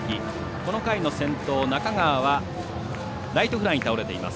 この回の先頭、中川はライトフライに倒れています。